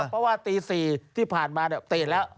เพราะตี๔ที่ผ่านมาเนี่ย้ตีแล้ว